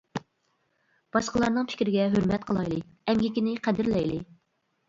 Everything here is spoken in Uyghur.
باشقىلارنىڭ پىكرىگە ھۆرمەت قىلايلى، ئەمگىكىنى قەدىرلەيلى.